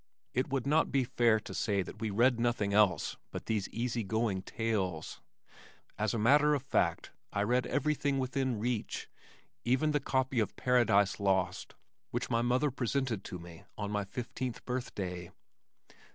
It would not be fair to say that we read nothing else but these easy going tales. As a matter of fact, I read everything within reach, even the copy of Paradise Lost which my mother presented to me on my fifteenth birthday.